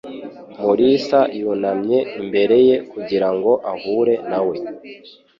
Mulisa yunamye imbere ye kugira ngo ahure na we.